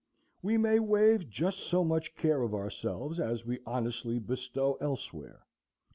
We may waive just so much care of ourselves as we honestly bestow elsewhere.